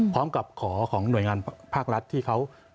พร้อมกับขอของหน่วยงานภาครัฐที่เขา